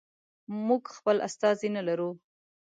موږ خپل استازی نه لرو.